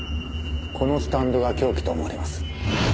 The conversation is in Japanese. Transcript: このスタンドが凶器と思われます。